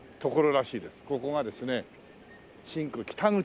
ここがですね北口。